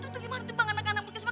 tuh gimana tuh bang anak anak berkisah